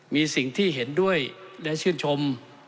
มีสิ่งที่เห็นด้วยและชื่นชม